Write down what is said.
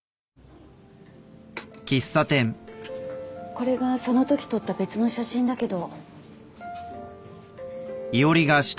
これがそのとき撮った別の写真だけど。